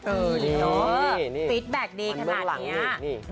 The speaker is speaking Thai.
นี่เน้วฟิตแบ็คดีขนาดนี้